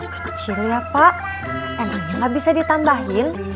kecil ya pak emangnya nggak bisa ditambahin